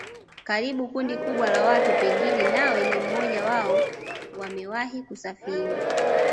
Karibu kundi kubwa la watu pengine nawe ni mmoja wao wamewahi kusafiri